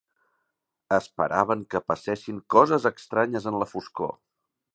Esperaven que passessin coses estranyes en la foscor.